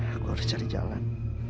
aku harus cari jalan